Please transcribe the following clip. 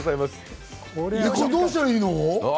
これ、どうしたらいいの？